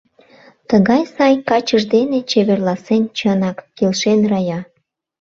Тыгай сай качыж дене чеверласен — Чынак! — келшен Рая.